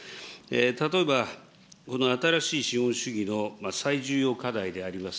例えば、この新しい資本主義の最重要課題であります